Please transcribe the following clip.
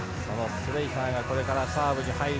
スレイターがこれからサーブに入る